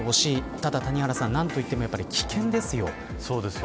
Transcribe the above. ただ、谷原さん何と言っても危険ですよ。